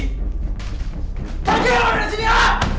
pergi dari sini jah